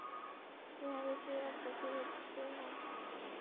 তুমি আগের সেই অপ্রতিরোধ্য কেউ নও!